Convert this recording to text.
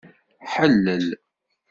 Ḥellel.